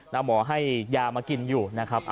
แล้วหมอให้ยามากินอยู่นะครับ